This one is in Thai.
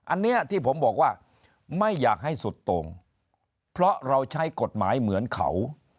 อันนี้ที่ผมบอกว่าไม่อยากให้สุดตรงเพราะเราใช้กฎหมายเหมือนเขา